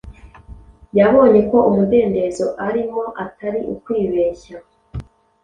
Yabonye ko umudendezo arimo atari ukwibeshya,